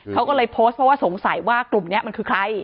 เขาก็เลยโพสต์เพราะว่าสงสัยว่ากลุ่มนี้มันคือใคร